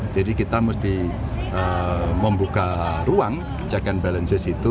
jadi kita mesti membuka ruang check and balances itu